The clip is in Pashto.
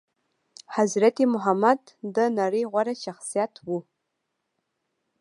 حضرت محمد د نړي غوره شخصيت وو